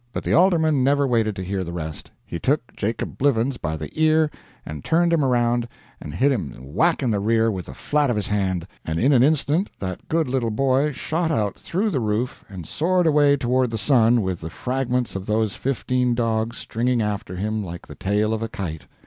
But the alderman never waited to hear the rest. He took Jacob Blivens by the ear and turned him around, and hit him a whack in the rear with the flat of his hand; and in an instant that good little boy shot out through the roof and soared away toward the sun, with the fragments of those fifteen dogs stringing after him like the tail of a kite.